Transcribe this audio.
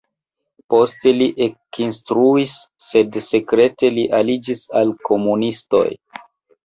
Poste li ekinstruis, sed sekrete li aliĝis al komunistoj.